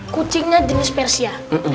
kucingnya jenis persia